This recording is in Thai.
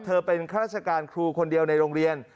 เป็นข้าราชการครูคนเดียวในโรงเรียน